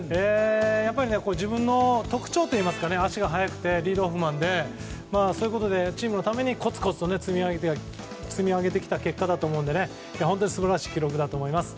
やっぱり自分の特徴である足が速くてリードオフマンでそういうことでチームのためにコツコツと積み上げてきた結果だと思うので本当に素晴らしい記録だと思います。